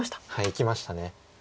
生きました。